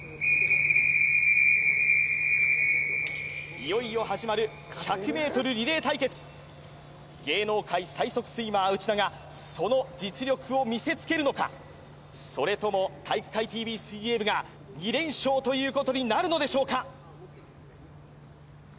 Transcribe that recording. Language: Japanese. いよいよ始まる１００ｍリレー対決芸能界最速スイマー内田がその実力を見せつけるのかそれとも体育会ＴＶ水泳部が２連勝ということになるのでしょうか